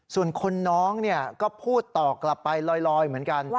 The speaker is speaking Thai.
ส่วนคนน้องก็พูดต่อกลับไปลอยเหมือนกัน